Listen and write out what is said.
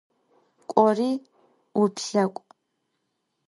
K'ori vuplhek'u!